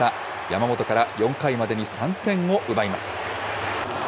山本から４回までに３点を奪います。